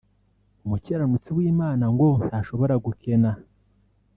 umukiranutsi w’Imana ngo ntashobora gukena